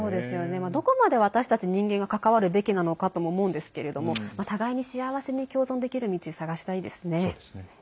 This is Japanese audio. どこまで私たち人間が関わるべきなのかとも思うんですけれども互いに幸せに共存できる道を探したいですね。